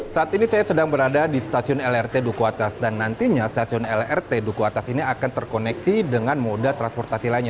saat ini saya sedang berada di stasiun lrt duku atas dan nantinya stasiun lrt duku atas ini akan terkoneksi dengan moda transportasi lainnya